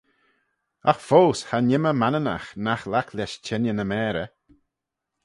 Agh foast cha nhimmey Manninagh nagh laik lesh çhengey ny mayrey.